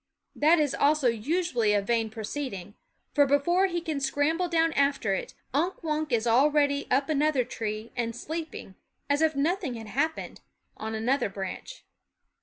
That also is usually a vain proceeding ; for before he can scramble down after it, Unk Wunk is already up another tree and sleeping, as if nothing had happened, on another branch.